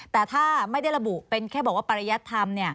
แต่ถ้าไม่ได้ระบุเป็นแค่บอกว่าปริยัติธรรม